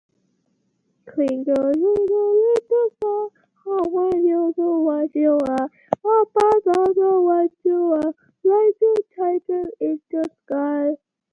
Maria Sibylla Merian (and her daughters) are rare examples of others.